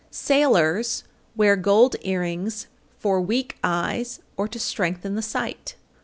_ 811. Sailors wear gold earrings for weak eyes or to strengthen the sight.